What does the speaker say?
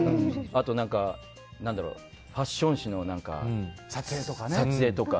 あとファッション誌の撮影とか。